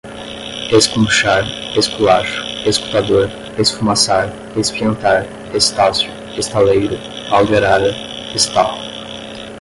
escrunchar, esculacho, escutador, esfumaçar, espiantar, estácio, estaleiro, pau de arara, estarro